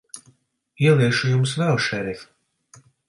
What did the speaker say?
Ieliešu Jums vēl, šerif.